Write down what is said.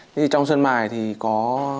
trong sơn mài thì có